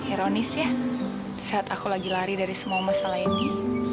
ironis ya saat aku lagi lari dari semua masa lainnya